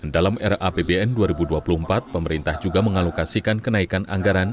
dalam rapbn dua ribu dua puluh empat pemerintah juga mengalokasikan kenaikan anggaran